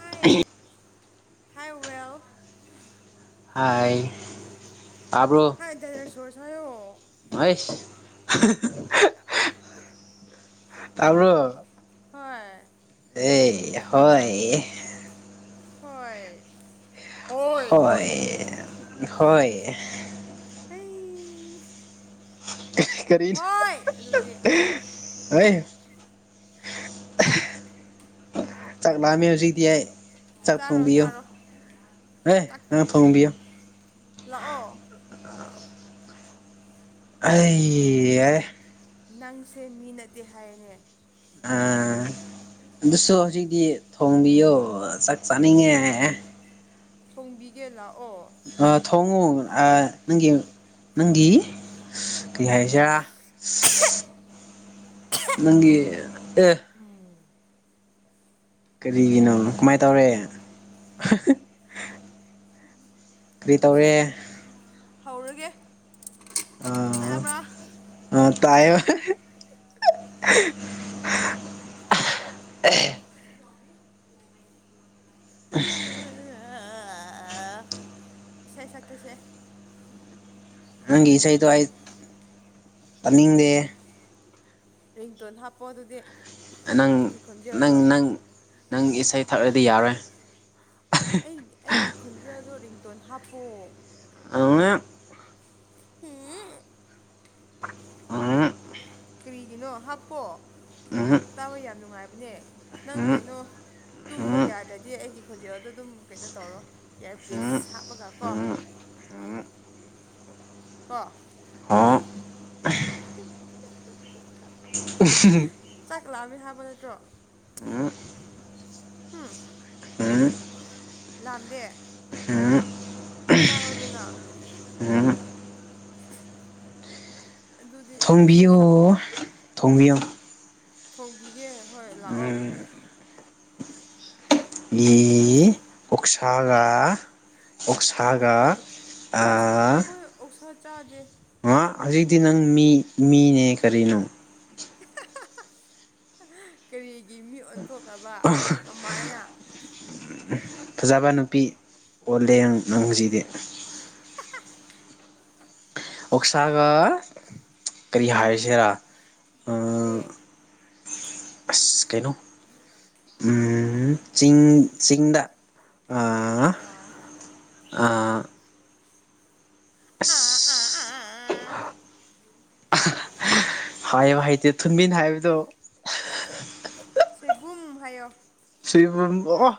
ꯍꯥꯏ ꯍꯥꯏꯋꯦꯜ ꯍꯥꯏ ꯍꯥꯏ ꯗꯥꯏꯔꯁꯣꯔꯁ ꯍꯥꯏꯌꯣ ꯑꯥꯏꯁ ꯇꯥꯕ꯭ꯔꯣ ꯍꯣꯏ ꯑꯦ ꯍꯣꯏ ꯍꯣꯏ ꯍꯣꯏ ꯑꯗꯨꯗꯤ ꯍꯣꯏ-ꯍꯣꯏ ꯑꯩꯩ ꯀꯔꯤꯅꯣ ꯑꯗꯨꯗꯤ ꯍꯣꯏ [unintelligible] ꯆꯥꯛ ꯂꯥꯝꯃꯦ ꯍꯧꯖꯤꯛꯇꯤ ꯑꯩ ꯆꯥꯛ ꯆꯥꯔꯣ ꯊꯣꯡꯕꯤꯌꯣ ꯆꯥꯔꯣ ꯑꯦ ꯇꯥꯛꯄꯤ ꯅꯪꯅ ꯊꯣꯡꯕꯤꯌꯣ ꯂꯥꯛꯑꯣ ꯑꯩ ꯌꯥꯔꯦ ꯅꯪꯁꯦ ꯃꯤ ꯅꯠꯇꯦ ꯍꯥꯏꯌꯦꯅꯦ ꯑ ꯑꯗꯨꯁꯨ ꯍꯧꯖꯤꯛꯇꯤ ꯊꯣꯡꯕꯤꯌꯣ ꯆꯥꯛ ꯆꯥꯅꯤꯡꯉꯦ ꯊꯣꯡꯕꯤꯒꯦ ꯂꯥꯛꯑꯣ ꯑ ꯊꯣꯡꯉꯣ ꯑ ꯅꯪꯒꯤ ꯅꯪꯒꯤ ꯀꯩ ꯍꯥꯏꯖꯤꯔ ꯅꯪꯒꯤ ꯑꯦ ꯑꯪ ꯀꯔꯤꯒꯤꯅꯣ ꯀꯃꯥꯏ ꯇꯧꯔꯦ ꯀꯔꯤ ꯇꯧꯔꯦ ꯇꯨꯁꯦ ꯍꯧꯔꯒꯦ ꯇꯥꯕ꯭ꯔꯥ ꯑ ꯇꯌꯦ ꯑ [unintelligible] ꯏꯁꯩꯁꯛ ꯀꯦꯁꯦ ꯅꯪꯒꯤ ꯏꯁꯩꯗꯣ ꯑꯩ ꯇꯥꯅꯤꯡꯗꯦ ꯔꯤꯡꯇꯣꯟ ꯍꯥꯞꯄꯣ ꯑꯗꯨꯗꯤ ꯅꯪ ꯑꯩꯒꯤ ꯅꯪ ꯈꯣꯟꯖꯦꯜꯗꯣ ꯅꯪ ꯅꯪ ꯏꯁꯩ ꯊꯛꯂꯗꯤ ꯌꯥꯔꯦ ꯑꯩ ꯑꯩꯒꯤ ꯈꯣꯟꯖꯦꯜꯗꯣ ꯔꯤꯡꯇꯣꯟ ꯍꯥꯞꯄꯣ [unintelligible] ꯍꯨꯝ ꯀꯔꯤꯒꯤꯅꯣ ꯍꯥꯞꯄꯣ ꯇꯥꯕ ꯌꯥꯝ ꯅꯨꯡꯉꯥꯏꯕꯅꯦ ꯅꯪ ꯀꯩꯅꯣ ꯇꯨꯝꯕ ꯌꯥꯗ꯭ꯔꯗꯤ ꯑꯩꯒꯤ ꯈꯖꯦꯜꯗꯣ ꯑꯗꯨꯝ ꯀꯩꯅꯣ ꯇꯧꯔꯣ ꯏꯌꯥꯔꯄꯤꯁ ꯍꯥꯞꯄꯒ ꯀꯣ ꯍꯥꯝ ꯀꯣ ꯆꯥꯛꯂꯥꯝꯃꯦ ꯍꯥꯏꯕ ꯅꯠꯇ꯭ꯔꯣ ꯂꯥꯝꯗꯦ ꯍꯝ ꯆꯥꯔꯣꯗꯅ ꯎꯝ ꯑꯗꯨꯗꯤ ꯏꯁꯩ ꯁꯛꯑꯣ ꯊꯣꯡꯕꯤꯌꯣ ꯊꯣꯡꯕꯤꯌꯣ ꯊꯣꯡꯕꯤꯒꯦ ꯍꯣꯏ ꯂꯥꯛꯑꯣ ꯌꯤ ꯑꯣꯛꯁꯥꯒ ꯑꯣꯛꯁꯥꯒ ꯈꯣꯏ ꯑꯩꯁꯨ ꯑꯈꯣꯏ ꯑꯣꯛꯁꯥ ꯆꯥꯗꯦ ꯑ ꯍꯧꯖꯤꯛꯇꯤ ꯅꯪ ꯃꯤ ꯃꯤꯅꯦ ꯀꯔꯤꯅꯨ ꯀꯔꯤꯒꯤ ꯃꯤ ꯑꯣꯟꯊꯣꯛꯈꯔꯥꯕ ꯀꯃꯥꯏꯅ ꯐꯖꯕ ꯅꯨꯄꯤ ꯑꯣꯜꯂꯦꯡ ꯅꯪꯖꯤꯗꯤ ꯑꯣꯛꯁꯥꯒ ꯀꯔꯤ ꯍꯥꯏꯁꯤꯔꯥ ꯑ ꯀꯔꯤ ꯑꯁ ꯀꯩꯅꯣ ꯎꯝ ꯆꯤꯡ ꯆꯤꯡꯗ ꯑꯥ [unintelligible] ꯑꯥ ꯑꯥ ꯑꯥ ꯑꯁ ꯑꯥ ꯍꯥꯏꯕ ꯍꯩꯇꯦ ꯊꯨꯟꯕꯤꯟ ꯍꯥꯏꯕꯗꯣ ꯁꯣꯏꯕꯨꯝ ꯍꯥꯏꯌꯣ ꯁꯣꯏꯕꯨꯝ ꯑꯣ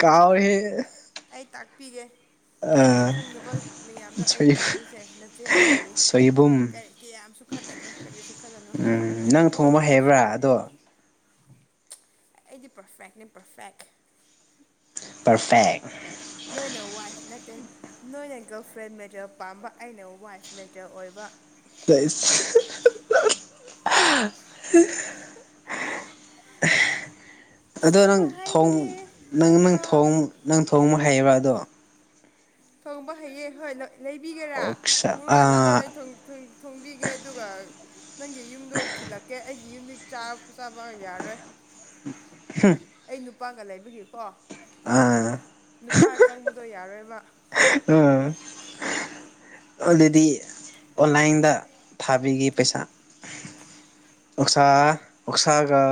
ꯀꯥꯎꯋꯦꯍ‌ꯦ ꯑꯩ ꯇꯥꯛꯄꯤꯒꯦ ꯅꯪꯅ ꯈꯪꯗꯕ ꯃꯌꯥꯝꯗꯣ ꯑꯩ ꯁꯣꯏ ꯇꯥꯛꯀꯦꯁꯦ ꯅꯆꯦ ꯑꯩ ꯂꯩꯔꯤ ꯁꯣꯏꯕꯨꯝ ꯀꯔꯤ ꯀꯌꯥꯝꯁꯨ ꯈꯜꯂꯅꯨ ꯀꯔꯤꯁꯨ ꯈꯜꯂꯅꯨ ꯎꯝ ꯅꯪ ꯁꯣꯏꯕꯨꯝ ꯊꯣꯡꯕ ꯍꯩꯕ꯭ꯔꯥ ꯑꯗꯣ ꯑꯩꯗꯤ ꯄꯔꯐꯦꯛꯅꯤ ꯄꯔꯐꯦꯛ ꯄꯔꯐꯦꯛ ꯅꯣꯏꯅ ꯋꯥꯏꯐ ꯅꯠꯇꯦ ꯅꯣꯏꯅ ꯒꯜꯐ꯭ꯔꯦꯟ ꯃꯦꯇ꯭ꯔ‌ꯌ‌ꯦꯜ ꯄꯥꯝꯕ ꯑꯩꯅ ꯋꯥꯏꯐ ꯃꯦꯇ꯭ꯔꯌ‌ꯦꯜ ꯑꯣꯏꯕ [unintelligible] ꯑꯗꯣ ꯑꯁꯦꯡꯕ ꯅꯪ ꯊꯣꯡ ꯍꯥꯏꯕꯅꯦ ꯅꯪ ꯅꯪ ꯅꯠꯇ꯭ꯔꯣ ꯊꯣꯡ ꯅꯪ ꯊꯣꯡꯕ ꯍꯩꯕ꯭ꯔꯥ ꯑꯗꯣ ꯊꯣꯡꯕ ꯍꯩꯌ‌ꯦ ꯍꯣꯏ ꯂ ꯂꯩꯕꯤꯒꯦꯔꯥ ꯑꯣꯛꯁꯥ ꯄꯨꯔꯒ ꯂꯥꯛꯑꯣ ꯑꯥ ꯑꯩ ꯊ‌ꯣꯡ ꯊ‌ꯣꯡ ꯊꯣꯡꯕꯤꯒꯦ ꯑꯗꯨꯒ ꯅꯪꯒꯤ ꯌꯨꯝꯗꯣ ꯊꯤꯜꯂꯛꯀꯦ ꯑꯩꯒꯤ ꯌꯨꯝꯗꯤ ꯆꯥ ꯆꯥꯕ ꯌꯥꯔꯣꯏ [unintelligible] ꯑꯩ ꯅꯨꯄꯥꯒ ꯂꯩꯕꯒꯤꯀꯣ ꯑꯥ ꯅꯨꯄꯥ ꯆꯪꯕꯗꯣ ꯌꯥꯔꯣꯏꯕ [unintelligible] ꯑꯗꯨꯗꯤ ꯑꯣꯟꯂꯥꯏꯟꯗ ꯊꯥꯕꯤꯒꯤ ꯄꯩꯁꯥ ꯑꯣꯛꯁꯥ ꯑꯣꯛꯁꯥꯒ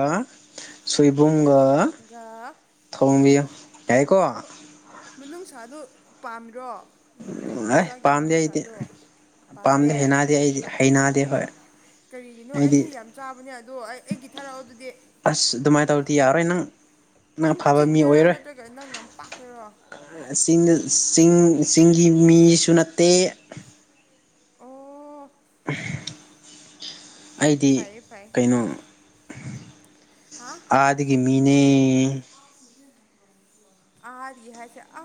ꯁꯣꯏꯕꯨꯝꯒ ꯒ ꯊꯣꯡꯕꯤꯌꯨ ꯌꯥꯏꯀꯣ ꯃꯅꯨꯡꯁꯥꯗ‌ꯣ ꯄꯥꯝꯃꯤꯔꯣ ꯑꯦ ꯑꯣꯛꯁꯥꯒꯤ ꯄꯥꯝꯗꯦ ꯑꯩꯗꯤ ꯃꯅꯨꯡꯁꯥꯗꯣ ꯄꯥꯝꯗꯦ ꯍꯩꯅꯗꯦ ꯑꯩꯗꯤ ꯍꯩꯅꯗꯦ ꯍꯣꯏ ꯀꯔꯤꯒꯤꯅꯣ ꯑꯩꯗꯤ ꯌꯥꯝ ꯆꯥꯕꯅꯦ ꯑꯗꯣ ꯑꯩ ꯑꯩꯒꯤ ꯊꯥꯔꯛꯑꯣ ꯑꯗꯨꯗꯤ ꯑꯁ ꯑꯗꯨꯃꯥꯏꯟ ꯇꯧꯔꯗꯤ ꯌꯥꯔꯔꯣꯏ ꯅꯪ ꯅꯪ ꯆꯤꯡꯗꯔꯣ ꯅꯠꯇ꯭ꯔꯒ ꯅꯪ ꯂꯝꯄꯥꯛꯇꯔꯣ ꯑ ꯆꯤꯡꯗ ꯆꯤꯡ ꯆꯤꯡꯒꯤ ꯃꯤꯁꯨ ꯅꯠꯇꯦ ꯑꯣ ꯑꯩꯗꯤ ꯐꯩꯌꯦ ꯐꯩꯌꯦ ꯀꯩꯅꯣ ꯍꯥ ꯑꯥꯗꯒꯤ ꯃꯤꯅꯦ [unintelligible] ꯑꯥꯗꯒꯤ ꯍꯥꯏꯁ‌ꯦ ꯑ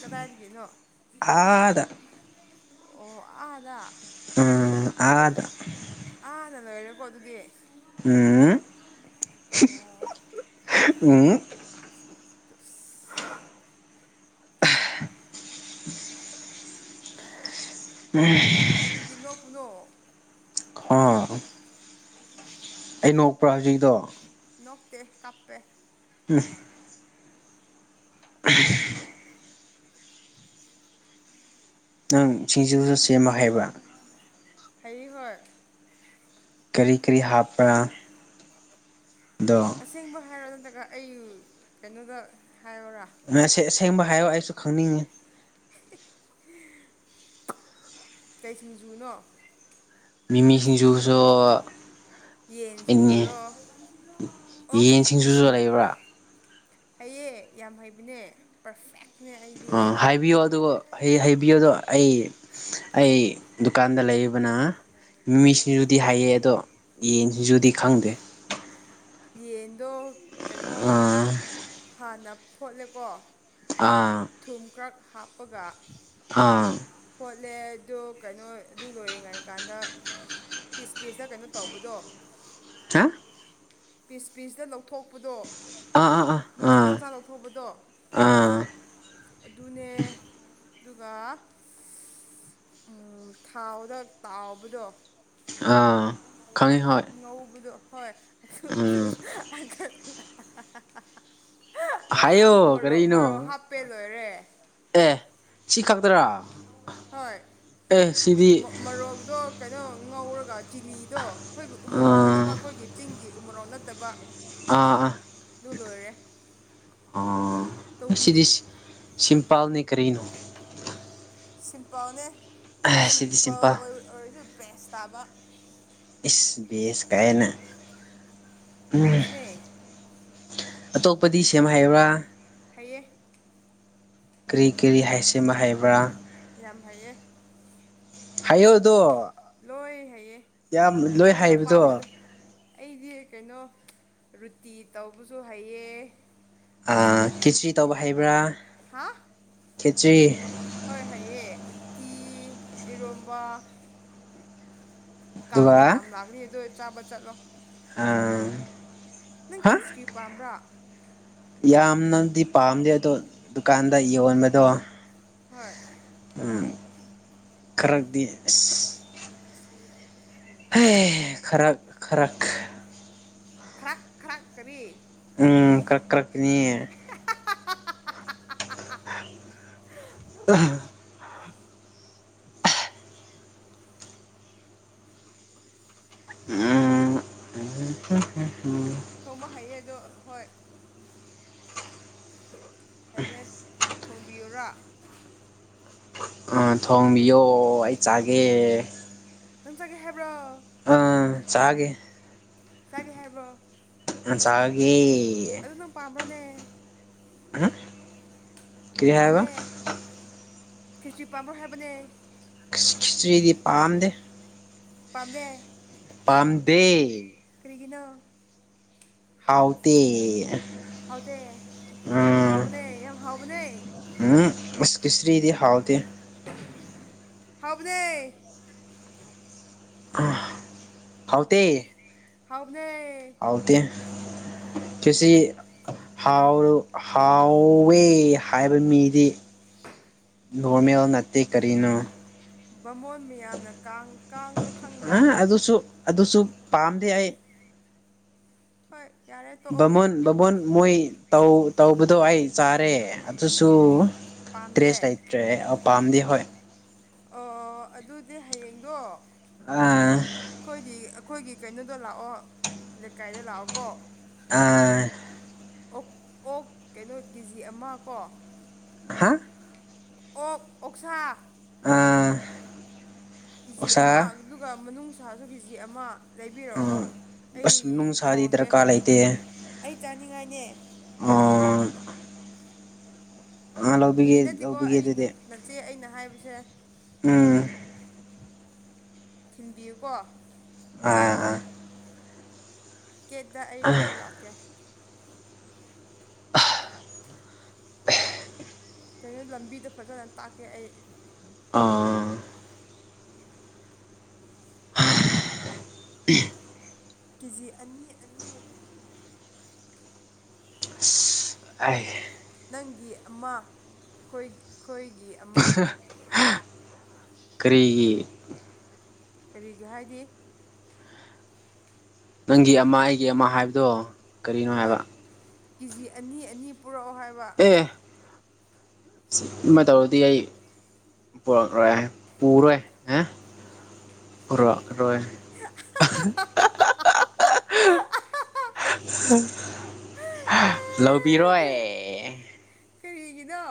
ꯀꯗꯥꯏꯗꯒꯤꯅꯣ ꯑꯥꯗ [unintelligible] ꯑꯣ ꯑꯥꯗ ꯎꯝ ꯑꯥꯗ ꯑꯥꯗ ꯂꯩꯔꯦꯀꯣ ꯑꯗꯨꯗꯤ ꯎꯝ ꯑꯣ ꯎꯝ [unintelligible] [inaudible] [unintelligible] ꯀꯔꯤꯒꯤ ꯅꯣꯛꯄꯅꯣ ꯈꯥ [inaudible] ꯑꯩ ꯅꯣꯛꯄ꯭ꯔꯥ ꯍꯧꯖꯤꯛꯗꯣ ꯅꯣꯛꯇꯦ ꯀꯞꯄꯦ ꯎꯝ [unintelligible] ꯅꯪ ꯁꯤꯡꯖꯨꯁꯨ ꯁꯦꯝꯃ ꯍꯩꯕ꯭ꯔꯥ ꯍꯩ ꯍꯣꯏ ꯀꯔꯤ ꯀꯔꯤ ꯍꯥꯞꯄ꯭ꯔꯥ ꯑꯗꯣ ꯑꯁꯦꯡꯕ ꯍꯥꯏꯔꯣ ꯅꯠꯇ꯭ꯔꯒ ꯑꯩ ꯀꯩꯅꯣꯗ ꯍꯥꯏꯔꯣꯔ ꯑꯁꯦꯡꯕ ꯍꯥꯏꯌꯣ ꯑꯩꯁꯨ ꯈꯪꯅꯤꯡꯉꯤ [unintelligible] ꯀꯩ ꯁꯤꯡꯖꯨꯅꯣ ꯃꯤꯃꯤ ꯅꯪꯅ ꯁꯤꯡꯖꯨꯁꯨ ꯌꯦꯟ ꯁꯤꯡꯖꯨꯔꯣ ꯑꯣꯛꯀꯤ ꯌꯦꯟꯁꯤꯡꯖꯨꯁꯨ ꯁꯤꯡꯖꯨ ꯂꯩꯕ꯭ꯔꯥ ꯍꯩꯌꯦ ꯌꯥꯝ ꯍꯩꯕꯅꯦ ꯄꯔꯐꯦꯛ ꯑꯥ ꯍꯥꯏ ꯍꯥꯏꯕꯤꯌꯣ ꯑꯗꯨꯒ ꯍꯩꯕꯤꯌꯣꯗꯣ ꯑꯩ ꯑꯩ ꯗꯨꯀꯥꯟꯗ ꯂꯩꯕꯅ ꯃꯤꯃꯤ ꯁꯤꯡꯖꯨꯗꯤ ꯍꯩꯌꯦ ꯑꯗꯣ ꯌꯦꯟ ꯁꯤꯡꯖꯨꯁꯗꯤ ꯈꯪꯗꯦ ꯌꯦꯟꯗꯣ ꯀꯩꯅꯣ ꯑꯥ ꯍꯥꯟꯅ ꯐꯣꯠꯂꯦꯀꯣ ꯑꯥ ꯊꯨꯝ ꯀ꯭ꯔꯛ ꯍꯥꯞꯄꯒ ꯑꯥ ꯐꯣꯠꯂꯦ ꯑꯗꯨ ꯀꯩꯅꯣ ꯑꯗꯨ ꯂꯣꯏꯔꯤꯉꯩ ꯀꯥꯟꯗ ꯄꯤꯁ ꯄꯤꯁꯇ ꯀꯩꯅꯣ ꯇꯧꯕꯗꯣ ꯍꯥ ꯄꯤꯁ ꯄꯤꯁꯗ ꯂꯧꯊꯣꯛꯄꯗꯣ ꯑꯥ ꯑꯥ ꯑꯥ ꯃꯆꯥ ꯑꯥ ꯃꯆꯥ ꯂꯧꯊꯣꯛꯄꯗꯣ ꯑꯥ ꯑꯗꯨꯅꯦ ꯑꯗꯨꯒ ꯎꯝ ꯊꯥꯎꯗ ꯇꯥꯎꯕꯗꯣ ꯑꯥ ꯈꯪꯉꯤ ꯉꯧꯕꯗꯨ, ꯍꯣꯏ ꯉꯧꯕꯗꯨ ꯍꯣꯏ ꯎꯝ [unintelligible] ꯍꯥꯏꯌꯣ ꯃꯣꯔꯣꯛ ꯃꯣꯔꯣꯛ ꯀꯔꯤꯅꯣ ꯍꯥꯞꯄꯦ ꯂꯣꯏꯔꯦ ꯑꯦ ꯁꯤ ꯈꯛꯇꯔꯥ ꯍꯣꯏ ꯑꯦ ꯁꯤꯗꯤ ꯃꯣ ꯃꯣꯔꯣꯛꯗꯣ ꯀꯩꯅꯣ ꯉꯧꯔꯒ ꯆꯤꯂꯤꯗꯣ ꯑꯩꯈꯣꯏꯒꯤ ꯎꯃꯣꯔꯣꯛ ꯅꯠꯇꯕ ꯑꯥ ꯑꯩꯈꯣꯏꯒꯤ ꯆꯤꯡꯒꯤ ꯎꯃꯣꯔꯣꯛ ꯅꯠꯇꯕ ꯑꯥ ꯑꯥ ꯗꯨ ꯂꯣꯏꯔꯦ꯫ ꯑꯣ ꯇꯧꯕꯤꯒꯦ ꯉꯁꯤꯗꯤ ꯁꯤꯝꯄꯥꯜꯅꯤ ꯀꯔꯤꯅꯣ꯫ ꯁꯤꯝꯄꯜꯅꯦ ꯑꯦ ꯁꯤꯗꯤ ꯁꯤꯝꯄꯜ ꯑꯣꯏ ꯑꯣꯏꯔꯖꯨ ꯕꯦꯁ ꯇꯥꯕ꯫ ꯏꯁ ꯕꯦꯁ ꯀꯥꯏꯌꯦꯅ꯫ ꯕꯦꯁꯅꯦ꯫ ꯑꯇꯣꯞꯄꯗꯤ ꯁꯦꯝ ꯍꯩꯕꯔꯥ꯫ ꯍꯩꯌꯦ꯫ ꯀꯔꯤ ꯀꯔꯤ ꯍꯥꯏꯁꯦꯝꯕ ꯍꯩꯕ꯭ꯔꯥ꯫ ꯌꯥꯝ ꯍꯩꯌꯦ꯫ ꯍꯥꯏꯌꯣꯗꯣ꯫ ꯂꯣꯏ ꯍꯩꯌꯦ [unintelligible] ꯅꯪꯅ ꯍꯩꯕꯗꯣ ꯑꯄꯥꯝꯕꯗꯣ [unintelligible] ꯑꯩꯗꯤ ꯀꯩꯅꯣ ꯔꯨꯇꯤ ꯇꯧꯕꯁꯨ ꯍꯩꯌꯦ꯫ ꯑ ꯀꯤꯆ꯭ꯔꯤ ꯇꯧꯕ ꯍꯩꯕ꯭ꯔꯥ꯫ ꯍꯥ ꯈꯦꯆ꯭ꯔꯤ [unintelligible] ꯍꯣꯏ ꯍꯩꯌꯦ ꯑꯨꯠꯇꯤ ꯏꯔꯣꯝꯕ꯫ ꯀꯥꯡ ꯑꯗꯨꯒ ꯃꯇꯝ ꯂꯥꯛꯂꯤ ꯑꯗꯨꯏ ꯆꯥꯕ ꯆꯠꯂꯣ꯫ ꯍ꯫ ꯅꯪ ꯈꯤꯆ꯭ꯔꯤ ꯄꯥꯝꯕ꯭ꯔꯥ꯫ ꯌꯥꯝꯅꯗꯤ ꯄꯥꯝꯗꯦ ꯑꯗꯣ ꯗꯨꯀꯥꯟꯗ ꯌꯣꯟꯕꯗꯣ ꯍꯣꯏ꯫ ꯎꯝ ꯈꯔꯗꯤ ꯑꯩꯁ ꯕꯂꯦꯛ ꯍꯤꯁꯇꯔꯤꯗ ꯃꯌꯥꯝ ꯂꯣꯏ ꯍꯩ ꯈꯔꯛ ꯈꯔꯛ ꯈꯔꯥꯛ ꯈꯔꯥꯛ ꯀꯔꯤ꯫ ꯎꯝ ꯀꯔꯛ ꯀꯔꯛꯅꯤ꯫ [unintelligible] ꯎꯝ꯫ ꯊꯣꯡꯕ ꯍꯩꯌꯦ ꯑꯗꯣ ꯍꯣꯏ꯫ ꯍꯩꯔꯦ ꯊꯣꯡꯕꯤꯌꯨꯔꯥ꯫ ꯑ ꯊꯣꯡꯕꯤꯌꯣ ꯑꯩ ꯆꯥꯒꯦ꯫ ꯅꯪ ꯆꯥꯒꯦ ꯍꯥꯏꯕ꯭ꯔꯣ꯫ ꯑ ꯆꯥꯒꯦ꯫ ꯆꯥꯒꯦ ꯍꯥꯏꯕ꯭ꯔꯣ꯫ ꯑ ꯆꯥꯒꯦ꯫ ꯑꯗꯨ ꯅꯪ ꯄꯥꯝꯕ꯭ꯔꯣꯅꯦ꯫ [unintelligible] ꯀꯔꯤ ꯍꯥꯏꯕ ꯄꯥꯝꯗꯦ ꯈꯦꯆꯤ ꯄꯥꯝꯕ꯭ꯔꯣ ꯍꯥꯏꯕꯅꯦ꯫ ꯈꯤꯆꯔꯤꯗꯤ ꯄꯥꯗꯦ꯫ ꯄꯥꯝꯗꯦ꯫ ꯄꯝꯗꯦ꯫ ꯀꯔꯤꯒꯤꯅꯣ꯫ ꯍꯥꯎꯇꯦ꯫ ꯍꯥꯎꯇꯦ ꯌꯥꯝ ꯍꯥꯎꯕꯅꯦ ꯌꯥꯝ ꯍꯥꯎꯕꯅꯦ꯫ ꯑꯨꯝ ꯑꯁ ꯀꯤꯆꯔꯤꯗꯤ ꯍꯥꯎꯇꯦ꯫ ꯍꯥꯎꯕꯅꯦ꯫ ꯍꯥꯎꯇꯦ ꯍꯥꯎꯕꯅꯦ ꯍꯥꯎꯇꯦ ꯈꯦꯆꯤ ꯍꯥꯎꯔ ꯍꯥꯎꯋꯦ ꯍꯥꯏꯕ ꯃꯤꯗꯤ ꯅꯣꯔꯃꯦꯜ ꯅꯠꯇꯦ ꯀꯔꯤꯅꯣ ꯕꯃꯣꯟ ꯃꯤꯌꯥꯝꯅ ꯀꯥꯡ ꯀꯥꯡꯗꯣ ꯈꯪꯕ꯭ꯔꯥ ꯑꯥ ꯑꯗꯨꯁꯨ ꯑꯗꯨꯁꯨ ꯄꯥꯝꯗꯤ ꯑꯩ ꯍꯣꯏ ꯌꯥꯔꯦ ꯇꯣꯛꯑꯣ ꯕꯃꯣꯟ ꯃꯣꯏ ꯇꯧ ꯇꯧꯕꯗꯣ ꯑꯩ ꯆꯥꯔꯦ ꯑꯗꯨꯁꯨ ꯄꯥꯝꯗꯦ ꯇ꯭ꯔꯦꯁ ꯂꯩꯇꯦ ꯇ꯭ꯔꯦ ꯄꯥꯝꯗꯤ ꯍꯣꯏ ꯑꯣ ꯑꯗꯨꯗꯤ ꯍꯌꯦꯡꯗꯣ ꯑꯥ ꯑꯩꯈꯣꯏꯗꯤ ꯑꯩꯈꯣꯏꯒꯤ ꯀꯩꯅꯣꯗ ꯂꯥꯛꯑꯣ ꯂꯩꯀꯥꯏꯗ ꯂꯥꯛꯑꯣꯀꯣ ꯑ ꯑꯣ ꯑꯣꯛ ꯀꯩꯅꯣ ꯀꯦꯖꯤ ꯑꯃ ꯀꯣ ꯍꯥ ꯑꯣꯛ ꯑꯣꯛꯁꯥ ꯑꯥ ꯀꯦ ꯖꯤ ꯑꯃ ꯑꯣꯛꯁꯥ ꯑꯗꯨꯒ ꯃꯅꯨꯡ ꯁꯥꯥꯁꯨ ꯀꯦ ꯖꯤ ꯑꯃ ꯂꯩꯕꯤꯔꯛꯑꯣ ꯑꯥ ꯑꯩ ꯑꯁ ꯅꯨꯡꯁꯥꯗꯤ ꯊꯣꯡꯒꯦ ꯗꯔꯀꯥꯔ ꯂꯩꯇꯦ ꯑꯩ ꯆꯥꯅꯤꯡꯉꯥꯏꯅꯦ ꯑꯥ ꯑꯥ ꯐꯥꯒꯤ ꯂꯧꯕꯤꯒꯦ ꯅꯠꯇꯦꯀꯣ ꯂꯧꯕꯤꯒꯦ ꯑꯩ ꯑꯗꯨꯗꯤ ꯅꯠꯆꯦ ꯑꯩꯅ ꯍꯥꯏꯕꯁꯦ ꯎꯝ ꯊꯤꯟꯕꯤꯌꯨꯀꯣ ꯑꯥ ꯑꯥ ꯒꯦꯠꯗ ꯑꯩ ꯂꯧꯕ ꯂꯥꯛꯀꯦ ꯀꯣ ꯂꯝꯕꯤꯗ ꯐꯖꯅ ꯇꯥꯛꯀꯦ ꯑꯩ ꯑꯥ [unintelligible] ꯀꯦ ꯖꯤ ꯑꯅꯤ ꯑꯅꯤ [unintelligible] ꯑꯩ ꯅꯪꯒꯤ ꯑꯃꯥ ꯑꯩꯈꯣꯏꯒꯤ ꯑꯃ ꯀꯔꯤꯒꯤ ꯀꯔꯤꯒꯤ ꯍꯥꯏꯗꯤ ꯅꯪꯒꯤ ꯑꯃ ꯑꯩꯒꯤ ꯑꯃ ꯍꯥꯏꯕꯗꯣ ꯀꯔꯤꯅꯣ ꯍꯣꯏ ꯍꯥꯏꯕ ꯀꯦꯖꯤ ꯑꯅꯤ ꯑꯅꯤ ꯄꯨꯔꯛꯑꯣ ꯍꯥꯏꯕ ꯑꯦ ꯁꯤꯃꯥ ꯇꯧꯔꯗꯤ ꯑꯩ ꯄꯨꯔ ꯄꯨꯔꯣꯏ ꯍꯦ ꯄꯨꯔꯛꯑꯔꯣꯏ [unintelligible] ꯂꯧꯕꯤꯔꯣꯏ ꯀꯩꯒꯤꯅꯣ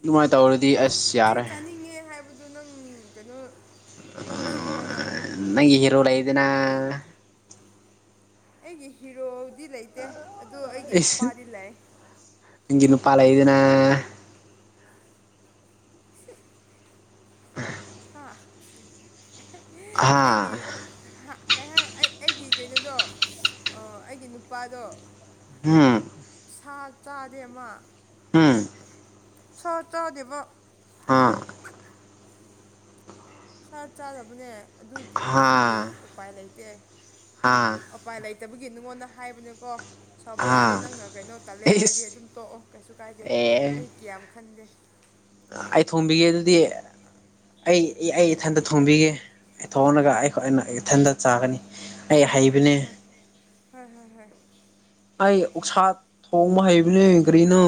ꯑꯗꯨꯃꯥꯏ ꯇꯧꯔꯗꯤ ꯑꯁ ꯌꯥꯔꯦ ꯑꯗꯨ ꯅꯪ ꯀꯩꯅꯣ ꯅꯨꯡꯁꯤꯗꯅꯦ ꯅꯪꯒꯤ ꯍꯤꯔꯣ ꯂꯩꯗꯅ ꯑꯩꯒꯤ ꯍꯤꯔꯣꯗꯤ ꯂꯩꯇꯦ ꯑꯗꯣ ꯑꯩꯒꯤ ꯑꯩꯁ ꯅꯨꯄꯥꯗꯤ ꯂꯩ ꯅꯪꯒꯤ ꯅꯨꯄꯥ ꯂꯩꯗꯅ ꯍꯥ ꯑꯩꯒꯤ ꯍꯥ ꯍꯥꯏ ꯀꯩ ꯍꯥꯏ ꯑꯩ ꯑꯩꯒꯤ ꯀꯩꯅꯣꯗꯣ ꯑꯣ ꯑꯩꯒꯤ ꯅꯨꯄꯥꯗꯣ ꯍꯝ ꯁꯥ ꯆꯥꯗꯦ ꯃꯥ ꯍꯝ ꯁꯥ ꯆꯥꯗꯦꯕ ꯍꯥ ꯁꯥ ꯆꯥꯗꯕꯅꯦ ꯑꯗꯨꯗꯤ ꯍꯥ ꯑꯗꯨꯒꯤ ꯎꯄꯥꯏ ꯂꯩꯇꯦ ꯍꯥ ꯎꯄꯥꯏ ꯂꯩꯇꯕꯒꯤ ꯅꯉꯣꯟꯗ ꯍꯥꯏꯕꯅꯦꯀꯣ ꯁꯥꯎꯕ ꯍꯥ ꯌꯥꯗꯦ ꯅꯪꯅ ꯀꯩꯅꯣ ꯇꯜꯂꯦ ꯍꯥꯏꯔꯗꯤ ꯏꯁ ꯑꯗꯨꯝ ꯇꯣꯛꯑꯣ ꯀꯩꯁꯨ ꯀꯥꯏꯗꯦ ꯑꯦ ꯑꯩ ꯀ꯭ꯌꯥꯝ ꯈꯟꯗꯦ ꯑꯩ ꯊꯣꯝꯕꯤꯒꯦ ꯑꯗꯨꯗꯤ ꯑꯩ ꯏ ꯑꯩ ꯏꯊꯟꯗ ꯊꯣꯡꯕꯤꯒꯦ ꯊꯣꯡꯔꯒ ꯑꯩꯈ ꯑꯩꯅ ꯏꯊꯟꯗ ꯆꯥꯒꯅꯤ ꯑꯩ ꯍꯣꯏ ꯍꯣꯏ ꯍꯩꯕꯅꯦ ꯍꯣꯏ ꯍꯣꯏ ꯍꯣꯏ ꯍꯣꯏ ꯑꯩ ꯑꯣꯛꯁꯥ ꯊꯣꯡꯕ ꯍꯩꯕꯅꯦ ꯀꯔꯤꯅꯣ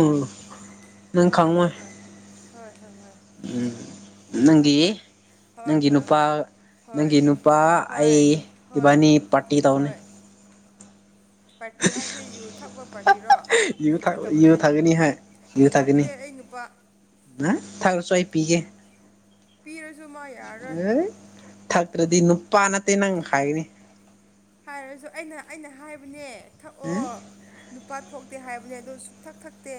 ꯅꯪ ꯍꯣꯏ ꯈꯪꯉꯣꯏ ꯍꯣꯏ ꯍꯣꯏ ꯍꯣꯏ ꯍꯣꯏ ꯍꯣꯏ ꯍꯣꯏ ꯅꯪꯒꯤ ꯍꯣꯏ ꯅꯪꯒꯤ ꯍꯣꯏ ꯅꯨꯄꯥ ꯍꯣꯏ ꯅꯪꯒꯤ ꯍꯣꯏ ꯅꯨꯄꯥ ꯍꯣꯏ ꯍꯣꯏ ꯑꯩ ꯍꯣꯏ ꯏꯕꯥꯅꯤ ꯍꯣꯏ ꯄꯥꯔꯇꯤ ꯇꯧꯅꯤ ꯍꯣꯏ ꯄꯥꯔꯇꯤ ꯍꯥꯏꯁꯦ ꯌꯨ ꯊꯛꯄ ꯄꯥꯔꯇꯤꯔꯣ ꯌꯨ ꯊꯛ ꯌꯨ ꯊꯛꯇꯕꯅꯦ ꯊꯛꯒꯅꯤ ꯍꯥꯏ ꯌꯨ ꯊꯛꯇꯦ ꯑꯩ ꯅꯨꯄꯥ ꯅ ꯊꯛꯔꯁꯨ ꯑꯩ ꯄꯤꯒꯦ ꯄꯤꯔꯁꯨ ꯃꯣꯏ ꯑꯦ ꯊꯛꯇ꯭ꯔꯗꯤ ꯅꯨꯄꯥ ꯅꯠꯇꯦ ꯅꯪ ꯍꯥꯏꯒꯅꯤ ꯍꯥꯏꯔꯁꯨ ꯑꯩꯅ ꯑꯩꯅ ꯍꯥꯏꯕꯅꯦ ꯊꯛꯑꯣ ꯅꯨꯄꯥ ꯊꯣꯛꯇꯦ ꯍꯥꯏꯕꯅꯦ ꯑꯗꯣ ꯁꯨꯛꯊꯛ ꯊꯛꯇꯦ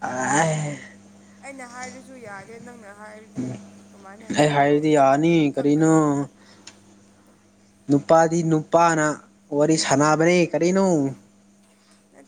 ꯑꯥꯏ ꯑꯩꯅ ꯍꯥꯏꯔꯁꯨ ꯌꯥꯗꯦ ꯅꯪꯅ ꯍꯥꯏꯔꯗꯤ ꯀꯃꯥꯏꯅ ꯑꯩ ꯀꯩꯅꯣ ꯇꯧ ꯍꯥꯏꯔꯗꯤ ꯌꯥꯅꯤ ꯀꯔꯤꯅꯣ ꯊꯛꯇꯣꯏꯅꯣ ꯅꯨꯄꯥꯗꯤ ꯅꯨꯄꯥꯅ ꯋꯥꯔꯤ ꯁꯥꯟꯅꯕꯅꯦ ꯀꯔꯤꯅꯣ ꯅꯠ